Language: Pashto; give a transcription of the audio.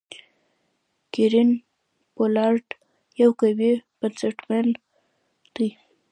کیرن پولارډ یو قوي بيټسمېن دئ.